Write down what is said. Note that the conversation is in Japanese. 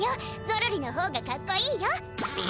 ゾロリの方がかっこいいよ。